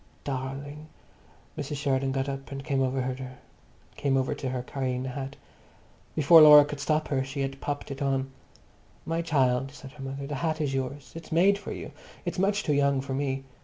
"Darling!" Mrs. Sheridan got up and came over to her, carrying the hat. Before Laura could stop her she had popped it on. "My child!" said her mother, "the hat is yours. It's made for you. It's much too young for me.